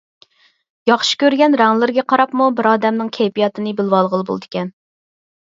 ياخشى كۆرگەن رەڭلىرىگە قاراپمۇ بىر ئادەمنىڭ كەيپىياتىنى بىلىۋالغىلى بولىدىكەن.